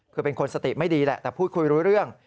คือเป็นคนสติไม่ดีแหละแต่พูดคุยรู้เรื่อง